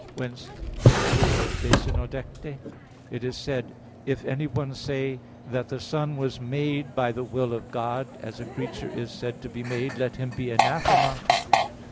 Whence in the book De Synod., it is said: "If anyone say that the Son was made by the Will of God, as a creature is said to be made, let him be anathema."